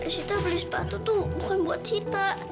sita beli sepatu itu bukan buat sita